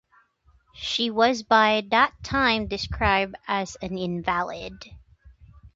She was by that time described as an invalid.